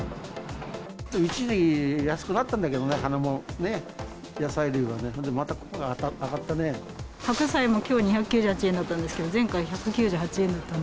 一時安くなったんだけどね、葉物、野菜類はね、白菜もきょう２９８円だったんですけど、前回１９８円だったんで。